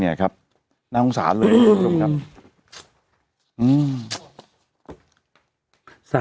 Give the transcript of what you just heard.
เนี่ยครับน่าสงสารเลยครับ